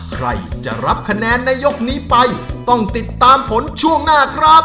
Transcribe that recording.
ใครจะรับคะแนนในยกนี้ไปต้องติดตามผลช่วงหน้าครับ